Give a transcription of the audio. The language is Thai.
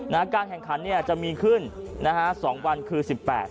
นะฮะการแข่งขันเนี่ยจะมีขึ้นนะฮะ๒วันคือ๑๘๑๙